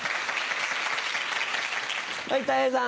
はいたい平さん。